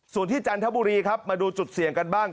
ส่วนที่จันทบุรีครับมาดูจุดเสี่ยงกันบ้าง